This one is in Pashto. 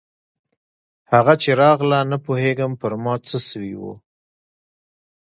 هغه چې راغله نه پوهېږم پر ما څه سوي وو.